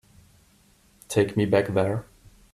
Take me back there.